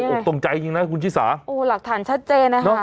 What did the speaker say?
น่าตกตกตรงใจจริงไหร่คุณพี่สาโอ้เหลือหลักฐานชัดเจนนะฮะ